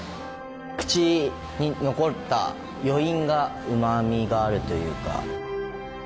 口に残った余韻がうまみがあるというか。